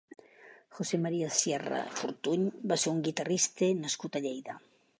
José Maria Sierra Fortuny va ser un guitarrista nascut a Lleida.